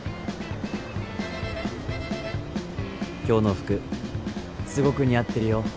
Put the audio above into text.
今日の服すごく似合ってるよ